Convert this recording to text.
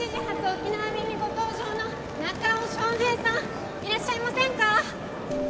沖縄便にご搭乗の中尾翔平さんいらっしゃいませんか？